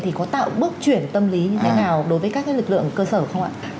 thì có tạo bước chuyển tâm lý như thế nào đối với các lực lượng cơ sở không ạ